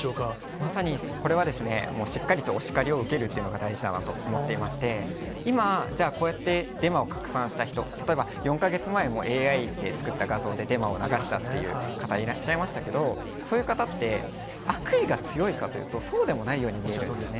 まさに、これはしっかりとお叱りを受けるというのが大事だなと思っていまして、今、じゃあ、こうやってデマを拡散した人、例えば、４か月前もＡＩで作った画像でデマを流したという方いらっしゃいましたけど、そういう方って、悪意が強いかというとそうでもないように見えるんですね。